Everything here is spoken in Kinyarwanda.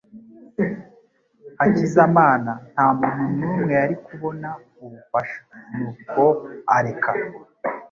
Hakizamana nta muntu n'umwe yari kubona ubufasha, nuko areka.